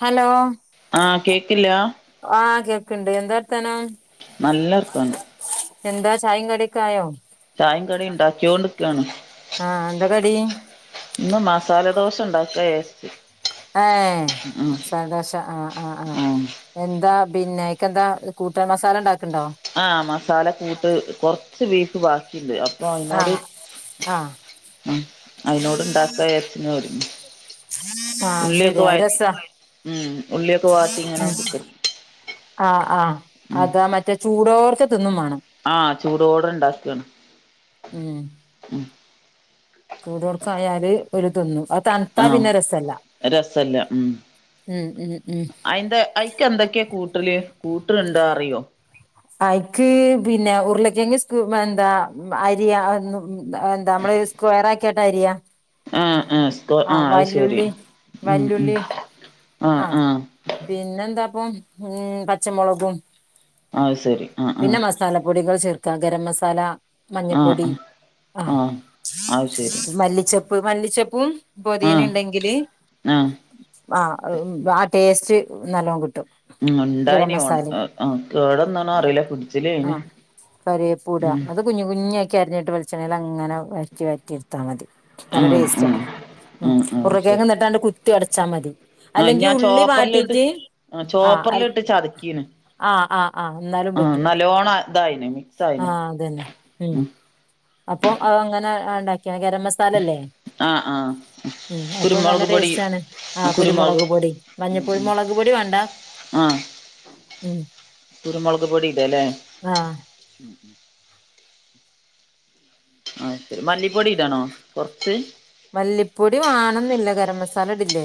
Hello ആഹ് കേക്കില്ല ആഹ് കേക്ക്ണ്ട് എന്താ വർത്താനം നല്ലർത്താനം എന്താ ചായിംകടിയോക്കായോ ചായിം കടീം ഉണ്ടാക്കിയോണ്ടിക്കാണ് ആഹ് എന്താ കടി ഇന്ന് മസാല ദോശ ഉണ്ടാകാജാര്ച്ച് ഏഹ് മസാലദോശ ആഹ് ആഹ് ആഹ് ഉം എന്താ പിന്നെ എനികെന്താ കൂട്ടൻ മസാല ഉണ്ടാക്കണ്ടോ? ആഹ് മസാല കൂട്ട് കൊറച്ച് പീസ് ബാക്കിണ്ട് അപ്പൊ അയ്നോട് ആഹ് ആഹ് ഉം അയ്നോട് ഇണ്ടാക്ക വിചാരിച്ചൺ ഒരുങ്ങി ആഹ് അത് ശെരി ഉള്ളിയൊക്കെ അത് വയറ്റി രസാ ഉം ഉള്ളിയൊക്കെ വാട്ടിങ്ങനെ ഉം കുത്തിര് ആഹ് ആഹ് അതാ മറ്റേ ചൂടോട്ക്ക് ആഹ് ചൂടോടെ ഇണ്ടാക്കാണ് ഉം ഉം ചൂടോട്ക്കായാല് ഓല് തിന്നും ആഹ് ആഹ് അഹ് രസല്ല ഉം ഉം ഉം ഉം അയിന്റെ അയി അയ്ക്കെന്തെക്കെയാ കൂട്ടല് കൂട്ട്ണുണ്ടോ അറിയോ? അയിക്ക് പിന്നെ ഉർളക്കേങ്ങ് [unintelligible] എന്താ അരിയ [unintelligible] എന്താ അമ്മള് സ്ക്വയറാക്കിട്ട് അരിയാം ആഹ് ആഹ് സ്ക്വയ ആഹ് അഹ് ശരി ഉം ഉം ആ ആഹ് ആ പിന്നെന്താപ്പൊ ഉം പച്ചമൊളകും ആഹ് സരി പിന്നെ മസാലപ്പൊടികൾ ചേർക്ക ഗരം മസാല ആ മഞ്ഞപ്പൊടി ആ ആഹ് ആ അത് ശരി മല്ലിച്ചെപ്പ് മല്ലിച്ചപ്പും ആ പൊതീനീം ഇണ്ടെങ്കില് ആ ആഹ് ഹ് ആഹ ടേസ്റ്റ് നല്ലോം കിട്ടും ഉം ഗരം ഹ്ണ്ടായിനെ മസാലിം [unintelligible] കേടന്നോന്നറീല ഫ്രിഡ് ആഹ് കരിയേപ്പുട അത് കുഞ്ഞ് കുഞ്ഞു ആക്കി അരിഞ്ഞിട്ട് വെളിച്ചെണ്ണീലങ്ങനെ വയറ്റി വയറ്റിട്ത്താ മതി നല്ല ഉം ടേസ്റ്റ് ഉം ഉം കുറുകെനിട്ടാണ്ട് കുത്തിടച്ചാ മതി ആ അല്ലെങ്കി ഞാൻ ഉള്ളി ചോപ്പറിലിട്ട് വാട്ടീട്ട് ആ ആഹ് അ ചോപ്പറിലിട്ട് ചതക്കീന് ആഹ് ആഹ് ആഹ് ഇന്നാലും ആ പറ്റും നല്ലോണം ഇതായിന് മിക്സ് ആയിന് ആഹ് അതന്നെ ഉം അപ്പൊ അഹ് അങ്ങനെ ഇണ്ടാക്കിയ ഗരം മസാ ആഹ് ആഹ് ഉം അപ്പൊ നല്ല ടേസ്റ്റ് ആണ് ആഹ് കുരുമുളക് പൊടി മഞ്ഞപ്പൊടി മുളക് പൊടി വേണ്ടാ ആഹ് ഉം കുരുമുളക് പൊടി ഇടാല്ലേ ആഹ് ആഹ് ശരി മല്ലിപ്പൊടി ഇടണോ കൊറച്ച് മല്ലിപ്പൊടി വാണംന്നില്ല ഗരം മസാല ഇടില്ലേ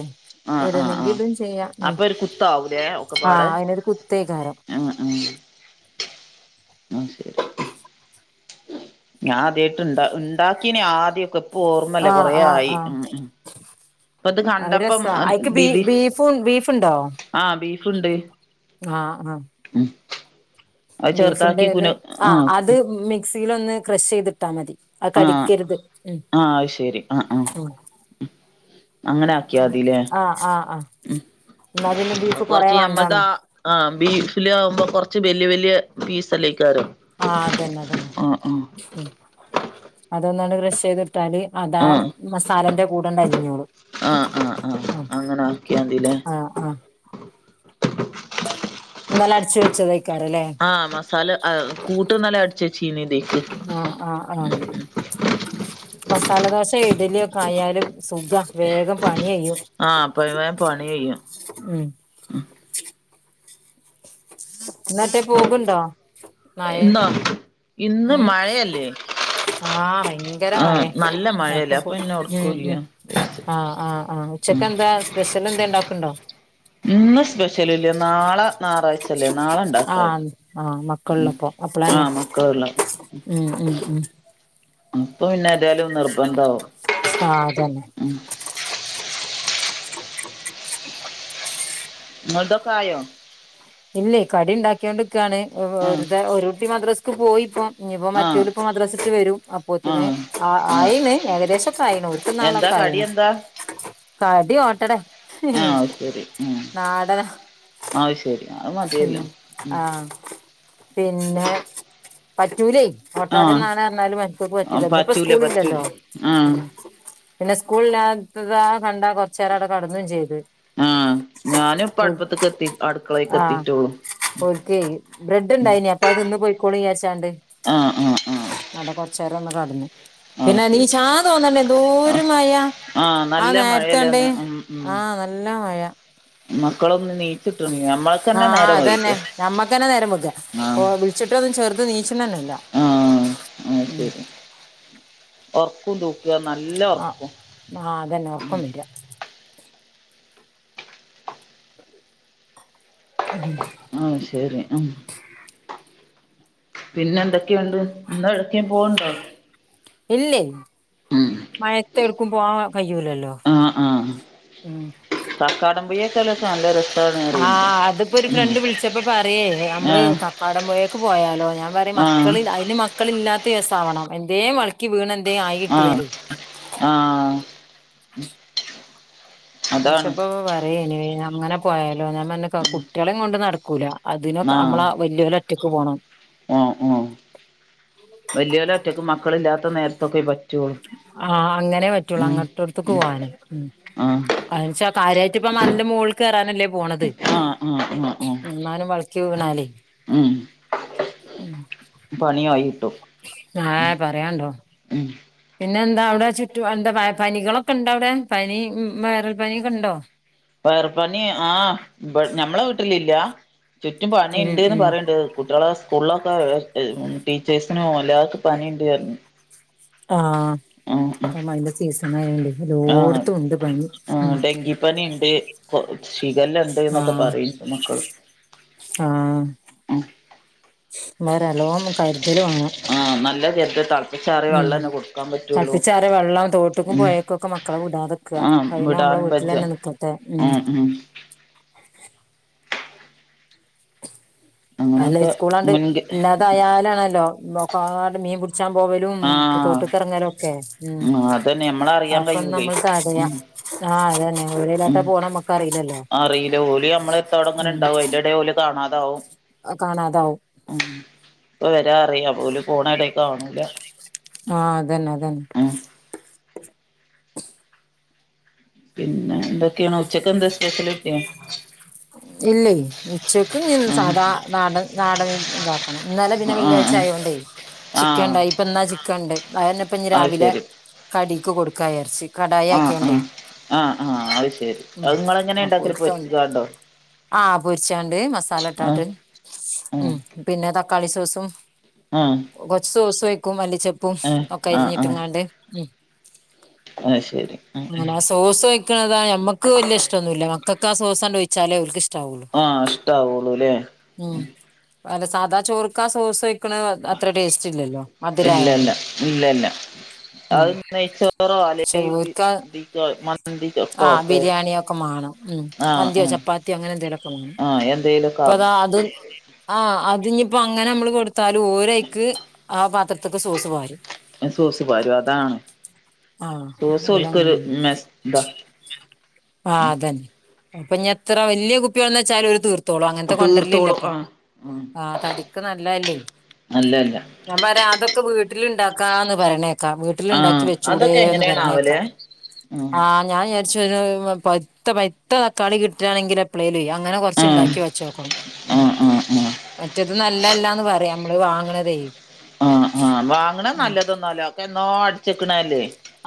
ആഹ് ആഹ് ഇടണെങ്കി ആഹ് ഇടും ചെയ്യാ ഉം അപ്പൊ ഒരു കുത്താവൂലേ ഒക്കെപ്പാടെ ആഹ് അയിന്റൊരു കുത്തേകാരം ആഹ് ആഹ് ആഹ് ശരി [inaudible] ഞാ ആദ്യായിട്ട് ഇണ്ട ഇണ്ടാക്കീനെ ആദ്യൊക്കെ ഇപ്പ ഓർമ്മല്ല ആഹ് കൊറെേ ആഹ് ആയി ആഹ് ഉം ഉം ഇപ്പത് അത് കണ്ടപ്പം രസാ അയിക്ക് ബീ [unintelligible] ബീഫും ബീഫുണ്ടോ ആഹ് ബീഫ്ണ്ട് ആഹ് ആഹ് ഉം അത് ചെറുതാക്കി കുന ബീഫ്ണ്ടേല് ആഹ് അത് മിക്സീലൊന്ന് ക്രഷയ്തിട്ടാ മതി അഹ് ആഹ് കടിക്കരുത് ഉം ആഹ് അത് ശരി ആഹ് ആഹ് ഉം അങ്ങനെ ആക്കിയാ മതില്ലേ ആഹ് ആഹ് ആഹ് ഉം ഇന്നാ പിന്നെ ബീഫ് കൊറെ കൊറച്ച് വേണ്ടാണ് ഞമ്മൾതാ ആഹ് ബീഫിലാവുമ്പോ കുറച്ച് വല്യ വല്യ പീസല്ലേ ആഹ് അതന്നെ അതന്നെ ഉം അതൊന്നൺ ക്രഷയ്ത്ട്ത്താല് അതാ ആഹ് മസാലന്റെ കൂടെന്ന് അലിഞ്ഞോളും ആഹ് ആഹ് ആഹ് അങ്ങനെ ആക്കിയാ മതില്ലേ ആഹ് ആഹ് ഇന്നലെ അടിച്ച് വെച്ചതേയ്ക്കാരല്ലേ ആഹ് മസാല അഹ് കൂട്ട് ഇന്നലെ അടിച്ച് വെച്ചീന്നതേ ആഹ് ആഹ് ആഹ് മസാലദോശ ഇഡലിയൊക്കെ ആയാല് സുഖ വേഗം പണി കയ്യും ആഹ് അപ്പൊ വേം പണി കെയ്യും ഉം ഇന്നട്ടേ പോക്ണ്ടോ ഇന്നോ ഇന്ന് മഴയല്ലേ ആഹ ഭയങ്കര ആഹ് മയേ നല്ല മഴയല്ലേ ന്നട്ട്പ്പൊ അപ്പൊ പിന്നെ - ഉം- ഉം ഒടുക്കൂല്ല വിചാരിച്ച് ആഹ് ആഹ് ആഹ് ഉം ഉച്ചക്ക് എന്താ സ്പെഷ്യൽ എന്തേ ഇണ്ടാക്ക്ണ്ടോ ഇന്ന് സ്പെഷ്യൽല്ല നാളെ ഞായറാഴ്ച ല്ലെ നാളെ ഇണ്ടാക്കും ആഹ് ആഹ് ഉം മക്കളിള്ളപ്പോ ആ അപ്പളന്നെ മക്കൾള്ള ഉം ഉം ഉം അപ്പൊ പിന്നെതായാലും അത് നിർബന്ധാവും ആഹ് അതന്നെ മം ങ്ങൾതൊക്ക ആയോ ഇല്ലേ കടി ഇണ്ടാക്കിയാണ്ട്ക്കാണ് ആഹ് [unintelligible] ഒരു കുട്ടി മദ്രസ്ക്ക് പോയി ഇപ്പം ഇഞ്ഞ്പ്പോ ആഹ് മറ്റോൽ ഇപ്പം മദ്രസ്സിട്ട് വരും അപ്പോത്തിന് ആഹ് ആ ആഹ് ആയിന് ഏകദേശൊക്കെ ആയിനു എന്താ കടി എന്താ കടി ഓട്ടടെ ആഹ് നാടനാ ആഹ് ശരി അത് മതിയല്ലോ ഉം ആഹ് പിന്നെ പറ്റൂലേ ആഹ് ഓട്ടടെന്നാണ് പറഞ്ഞാലും മറ്റൊക്ക്‌ ആ പറ്റൂല ഇന്നിപ്പോ സ്കൂൾ പറ്റൂല ഇല്ലല്ലോ ആ മം പിന്നെ സ്കൂൾ ഇല്ലാ ത്തതാ കണ്ടാ കൊറച്ചേരം അവടെ കടന്നും ചെയ്ത് ഉം അട്ക്കളേക്ക് എത്തിയിട്ടുള്ളൂ ഓർക്കേ ബ്രെഡ് ഇണ്ടായിനീ അപ്പൊ അത് തിന്ന് പൊയ്ക്കോളും വിചാരിചാണ്ട് ആ ആ ആ അവിടെ കൊറച്ച നേരം ഒന്ന് കട്ന്നു ആ പിന്നെ ശരി നീചാ തോന്നണ്ടേ എന്തോരു മയ ആ ആഹ നല്ല മഴയല്ലേ നേരിത്തണ്ടേ ഇന്ന് ഉം ഉം ആഹ നല്ല മഴ മക്കളൊന്നും നീച്ച്ട്ടണെ ഞമ്മള് ആഹ് അതന്നെ ഞമ്മക്ക്ന്നെ നേരം വെഗ്ഗാ ഓ വിളിച്ചിട്ട് ഒന്നും ചെർത് നീച്ച്ണന്നെല്ല ആഹ ഉം ആഹ്ശരി പൊ ക്കും തൂക്കാ നല്ല ആഹ് ഒർക്കും ആഹ് അതന്നെ ഒറക്കം വര അത ആഹ ശരി ആഹ് പിന്നെ എന്തൊക്കെയുണ്ട് ഇന്ന് എഡ് ക്കേം പോവ്ണ്ടോ ഇല്ലേ ഉം മഴത്ത് എട്ക്കും പോവാൻ കയ്യൂലല്ലോ ഉം കക്കാടംപൊയെ ഒക്കെ ഉള്ളോർക് നല്ലരസ ആഹ് അതിപ്പോ ഒരു ഫ്രണ്ട് വിളിച്ചപ്പോ പറയെ നമ്മള് ആ കക്കാടം പോയേക്ക് പോയാലോ ഞാൻ പറിം ആ മക്ക ക്കൾ അയിന് മക്കൾ ഇല്ലാത്ത ദിവസാവണം എന്തേം വൾക്കിവീണ് എന്തേം ആയി കിട്ടിയാലേ ആഹ ഉം വിൾച്ചപ്പോ പറയേനിേ അങ്ങനെ പോയാലോ ഞാൻ പറഞ്ഞ് ക്ക കുട്ടികളെകൊണ്ട് നടക്കൂല അതിനൊക്കെ നമ്മളാ ആ വല്ല്യോലൊറ്റക്ക് പോണം ഓ ഓ വല്ല്യോലൊറ്റക്കും മക്കൾ ഇല്ലാത്ത നേരത്തൊക്കെ പ ആഹ അങ്ങനെ പറ്റുള്ളു അങ്ങോട്ടടുത്ത്ക്ക് പോവാന് ആഹ് അയ്ന്ച്ചാ കാര്യായിട്ട് ഇപ്പം മലന്റെ മോൾക്ക് കേറാനല്ലേ പോണത് ആഹ് ആഹ് ആഹ് ആഹ് ഉം എങ്ങാനും വൾക്കി വീണാലേ ഉം പണിയായി കിട്ടും ഏഹ് പറയാണ്ടോ ഉം പിന്നെ എന്താ അവിടെ ചുറ്റു എന്താ വൈ പനികളൊക്കെ ഇണ്ടാവിടെ പനി വൈറൽ പനി ക്കെ ഇണ്ടോ വൈറൽപ്പനി ആഹ് ഇബ് ഞമ്മളെ വീട്ടിലില്ല ചുറ്റും ഉം പനിണ്ട്ന്ന് ഉം പറയ്ണ്ട് കുട്ടികളെ സ് സ്കൂളൊക്കെ ടീച്ചേഴ്സിനും എല്ലാവർക്കും പനിണ്ട് പർഞ്ഞ് ആഹ ഇപ്പം പനിന്റെ സീസൺ ആയൊണ്ടേ എല്ലോട്ത്തും ഇണ്ട് പനി മം പനിണ്ട് ഇപ്പൊ ശിഖല്ലണ്ട്ന്നൊക്കെ ആഹ് പറീണ്ട് മക്കള് ആഹ് ഹം വേറെല്ലോം കരുതല് വേണം ആഹ് നല്ല [unintelligible] പ്പിച്ചാറിയ വെള്ളന്നെ കൊടുക്കാൻ പറ്റുള്ളു. തൾപ്പിച്ചാറിയ വെള്ളം തോട്ട്ക്കും ഉം പൊഴേക്കൊക്കെ മക്കളെ വിടാതെക്ക ആഹ് കഴിയ്ണ നമ്മളെ വിടാനും ബജ്ജ വീട്ടിലെന്നെ നിക്കട്ടെ ഉം ഉം അല്ല ഈ അങ്ങനൊക്കെ സ്കൂളാണ്ട് മുൻക ഇല്ലാതയാലാണല്ലോ നോക്കാണ്ട് മീൻ പു ച്ചാൻ പോവലും ആഹ് തോട്ട്ക്കെറങ്ങലും ഒക്കെ ഉം ആഹ് അതന്നെ നമ്മള അറിയാൻ അതൊക്കെ കഴിയൂലേ നമ്മൾക്കറിയാം. ഉം ആഹ് അതന്നെ. ഉം എവിടേലാട്ടാ പോണ നമ്മക്കറിയില്ലല്ലോ അറീല ഓര് ഞമ്മടേ എട്ത്തവടെങ്ങനെ ഉണ്ടാവും. അതിന്റെടേ ഓല് കാണാതാവും ആഹ് കാണാതാവും ഉം. ഇപ്പ വരാറയും ഓല് പോണ എടേം കാണൂല ആഹ് അതന്നെ അതന്നെ ഉം പിന്നെന്തൊക്കെയാണ് ഉച്ചക്ക് എന്താ സ്പെഷ്യല്? ഇല്ലേ ഉച്ചക്കുഞ്ഞും ആഹ് സാദാ നാടൻ നാടൻ വി ഇതാ ഇന്നലെ പിന്നെ ആഹ് ആഹ് വെള്ളിയാഴ്ചയായോണ്ടേ ചിക്കൻ ആഹ് ഇണ്ടായി. ഇപ്പ ഇന്നാ ചിക്കൻണ്ട് അതന്നെ ഇപ്പഞ്ഞി അത് രാവിലെ ശരി കടിക്ക് കൊടുക്കാ വിചാരിച്ച് കടായി ആഹ് ആക്കിയോണ്ടേ ആഹ് ആഹ് ആഹ് അത് ശരി. അതിങ്ങള് എങ്ങനെണ്ടാ പൊരിച്ചാണോ? ആഹ് പൊരിച്ചാണ്ട്. മസാല ആഹ് ഇട്ടാട്ട്. ആഹ് ഉം. പിന്നെ തക്കാളി സോസും ആഹ് കൊറച്ചു സോസൊയിക്കും മല്ലിച്ചപ്പും ഏഹ് ഒക്കെ ആഹ് അരിഞ്ഞിട്ട്ങ്ങാണ്ട്. ഉം അയ്ശെരി ഉം ഉം അങ്ങനെ ആ സോസ് ഒയിക്കണതാ ഞമ്മക്ക് വല്യ ഇഷ്ടന്നുല്ല്യാ. മക്കക്ക് ആ സോസണ്ട് ഒയിച്ചാലേ ഓര്ക്ക് ഇഷ് ആഹ് ഇഷ്ടാവുള്ളൂല്ലേ? ഉം അല്ല സാദാ ചോറ്ക്കാ സോസോയ് ക്ക്ണ് അത്ര ടേസ്റ്റ് ഇല്ലല്ലോ മധുരായോണ്ട്. ഇല്ലല്ല ഇല്ലല്ല ഉം അത് നെയ്ച്ചോറോ അല്ലെ ബി ചോർക്കാ ഇതിക്കോ മന്തിക്കൊക്കോ ആഹ് ഒക്കെ ബിരിയാണിയൊക്കെ മാണം ആഹ് മന്ത്യോ ആഹ് ചപ്പാത്തിയോ അങ്ങനെ എന്തേലൊക്കെ വേണം. ആഹ് എന്തേലൊക്കെ ആകും പ്പതാ അത് ആഹ് അത്ഞ്ഞിപ്പോ അങ്ങനെ മ്മള് കൊടുത്താലും ഓരൈക്ക് ആ പാത്ര ത്ത്ക്ക് സോസ് പാരും സോസ് പാരും അതാണ്. ആഹ് സോസ് ഓല്ക്കൊരു ഓലങ്ങനെയാണ് മെസ് ദാ ആഹ് അതന്നെ. ഇപ്പൊ ഇഞ്ഞി എത്ര വല്യ കുപ്പി കൊടന്നെച്ചാലും ഓര് തീർ ത്തോളും അങ്ങനത്തെ തീർത്തോളും കൊണ്ടരലില്ലപ്പോ. ആഹ് ഉം ആഹ് തടിക്ക് നല്ലതല്ലേ അല്ലല്ല ഞാൻ പറയാ അതൊക്കെ വീട്ടിലിണ്ടാക്കാന്ന് പറയണേ വീട്ടിലിണ്ടാക്കി ആഹ് അതൊക്കെ വെച്ചൂടേന്ന് പറയണേക്കാ. എങ്ങനെയാണാവല് ആഹ് ഞാൻ വിചാരിച്ചു ഒര് പൗത്ത പയ്ത്ത തക്കാളി കിട്ടുകാണെങ്കിൽ എപ്പളേലേ ആഹ് അങ്ങനെ കൊറച്ച് ആഹ് ഇണ്ടാക്കി വച്ചോക്കണം [unintelligible] ആ ഉം ആ ആ മറ്റേത് നൽ ല്ലല്ലാന്ന് പറയും അമ്മള് വാങ്ങണതേ ആഹ് ആഹ് വാങ്ങണ് ഉം നല്ലതൊന്നല്ലാ അതൊക്കെ എന്നോ അടിച്ചേക്കണല്ലേ?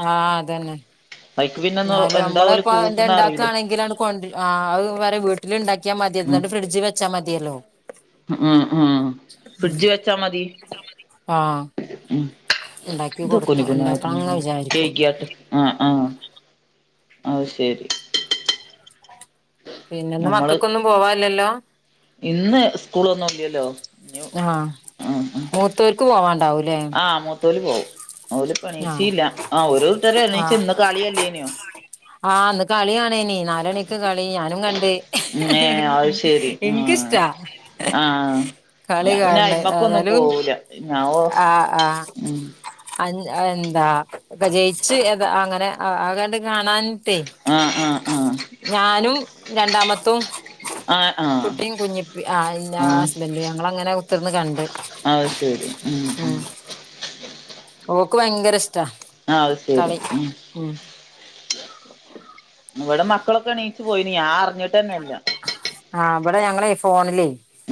ആഹ് അതെന്നെ അയ്ക്ക് പിന്നെ ഒന്ന് ന്നാലും എന്താ ഓല് അമ്മള്പ്പോ എന്താ കൂട്ടണ അറിയില്ല ഇണ്ടാക്ക്വാണെങ്കിലാണ് ങ്ങട് കൊണ്ട്രു. ആഹ് അത് വരെ വീട്ടില് ഇണ്ടാക്കിയാ മത്യേ. ന്നിട്ട് ഫ്രിഡ്ജ് വെ ച്ച മതിയല്ലോ ആഹ് ആഹ് ഫ്രിഡ്ജി വെച്ചാ മതി. ആഹ് ഉം ഉണ്ടാക്കി കൊടുത്തു ഉണ്ടാക്കണംന്ന് വിചാരിക്കും [unintelligible] ആഹ് ആഹ് അത് ശരി പിന്നെന്ന് നമ്മള് മക്കക്കൊന്നും പോവാല്ലല്ലോ ഇന്ന് ഉസ്കൂളോന്നും ഇല്ലല്ലോ ഞ്ഞു ആഹ് ആഹ് മൂത്തോർക്ക് പോവാണ്ടാവൂലേ ആ മൂത്തോല് പോവും ഓല്പ്പ ആഹ് ണീച്ചീല്ല ആഹ് ഓരോരുത്തര് എണീച്ച് ആഹ് ഇന്ന് കളിയ അല്ലേനെയോ ആഹ് ഇന്ന് കളിയാണെനി നാല് മണിക്ക് കളി ഞാനും കണ്ട് ഏ അത് ശരി ആ എനക്ക്ഷ്ടാ ആഹ് കളി ഞാൻ പിന്നെ കാണണ് അയ്മക്കൊന്നും എന്നാലും പോവൂല ഞാൻ ഓ ആഹ് ആഹ് ഉം അഹ് എന്താ ജയിച്ച് അങ്ങനെ ആഹ് [unintelligible] കാണാനിട്ടേ ആഹ് ആഹ് ആഹ് ഞാനും രണ്ടാമത്തും ആഹ് ആഹ് ആഹ് കുട്ടിയും കു ആഹ് ഞാന് ഹസ്ബന്റ് ഞങ്ങ അങ്ങനെ കുത്തിർന്ന് കണ്ട് അഹ് ശെരി ഉം ഉം ഓക്ക് ഭയങ്കര ഇഷ്ടാ ആഹ് അത് ശരി കളി. ഉം ഇവിടെ മക്കളൊക്കെ എണീച്ചു പോയിന് ഞാൻ അറിഞ്ഞിട്ട്ന്നെല്ല ആഹ് ഇവിടെ ഞങ്ങളെ ഫോണിലേ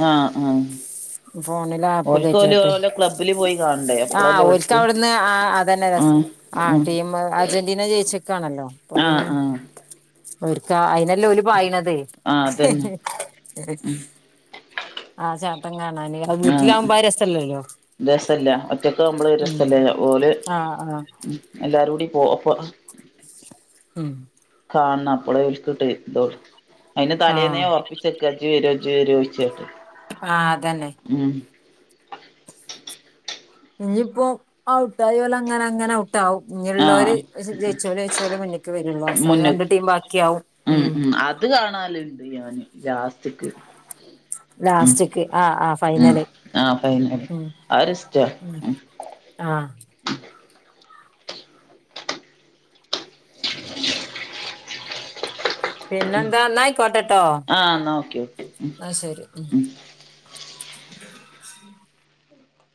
ആഹ് ആഹ് ഫോണില് ആപ്പ് ഓൽക്ക് കയറ്റി ഓല് കേട്ട് ഓലെ ക്ലബ്ബില് പോയി കാണണ്ടേ അപ്പളല്ലേ ആഹ് ഒരിക്ക ഓൽക്ക് അവിടുന്ന് അതന്നെ ആഹ് ടീം അർജന്റീന ജയിച്ചക്കാണല്ലോ അപ്പൊ ആഹ് പിന്നെ ആഹ് ആഹ് ഒരുക്ക അയിനല്ലേ ഓല് പായണത് അതന്നെ ഉം ആഹ് ചേട്ടൻ കാണാന് ആഹ് വീട്ടിലാവുമ്പോ ആ രസല്ലല്ലോ രസല്ല ഒറ്റക്ക നമ്മള് ഉം രസല്ലേ ഓല് ആഹ് ആഹ് ഉം എല്ലാരും കൂടി പോ ഉം കാണണ അപ്പളെ വിൽക്കിട്ട് [unintelligible] അതിന് ആഹ് തലേന്നേ ഒറപ്പി ചെക്കാ ഇജ്വരോ ഇജ്വരോ ഒഴിച്ച കേട്ട് ആഹ് അതന്നെ ഉം ഇനിയിപ്പോ ഔട്ടായൊലെ അങ്ങനെ അങ്ങനെ ഔട്ട ഇങ്ങുള്ളവര് ആഹ് ജയിച്ചോലും ജയിച്ചലും മുന്നേക്കക്ക് വരുള്ളൂ അവസാനം രണ്ട് മുന്ന്ക്ക് ടീം ബാക്കിയാവും ഉം അത് കാണാലുണ്ട് ഞാന് ലാസ്റ്റ്ക്ക് ഉം ലാസ്റ്റ്ക്ക് ആഹ് ആഹ് ഉം ഫൈനല് ആഹ് ഫൈനല് അതൊരിഷ്ടാ ഉം ആഹ് പിന്നെന്താന്നയിക്കോട്ടട്ടോ ആഹ് ന്നാ ഓക്കെ ഓക്കെ ആഹ് ശരി ഉം